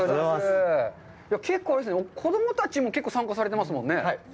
結構、あれですね、子供たちも参加されてますもんね。